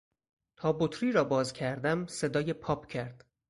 تا بطری را باز کردم صدای پاپ کرد.